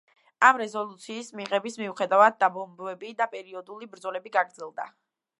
ამ რეზოლუციის მიღების მიუხედავად, დაბომბვები და პერიოდული ბრძოლები გაგრძელდა.